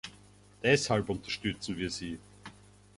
Deshalb unterstützen wir sie.